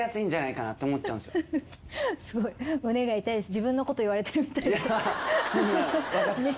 自分のこと言われてるみたいで。